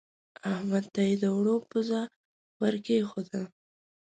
احمد ته يې د اوړو پزه ور کېښوده.